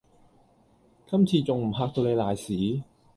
今次仲唔嚇到你瀨屎